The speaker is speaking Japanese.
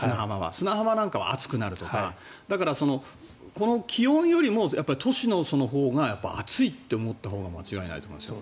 砂浜なんかは暑くなるとかだから、この気温よりも都市のほうが暑いって思ったほうが間違いないと思います。